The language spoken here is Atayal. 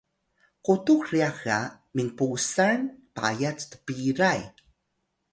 qutux ryax ga minpusal payat tpiray